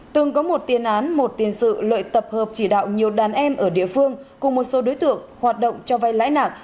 từng có một tiền án một tiền sự lợi tập hợp chỉ đạo nhiều đàn em ở địa phương cùng một số đối tượng hoạt động cho vay lãi nặng